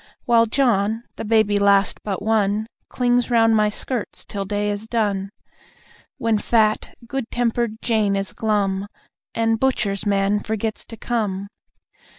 While John, the baby last but one, Clings round my skirts till day is done; When fat, good tempered Jane is glum, And butcher's man forgets to come.